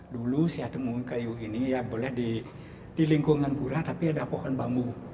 dulu saya temukan kayu ini ya boleh di lingkungan pura tapi ada pohon bambu